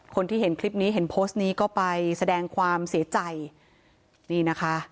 คนที่เห็นคลิปนี้เห็นโพสต์นี้ก็ไปแสดงความเสียใจนี่นะคะ